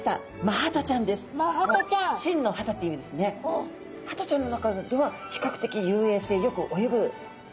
ハタちゃんの中では比較的遊泳性よく泳ぐハタちゃんですね。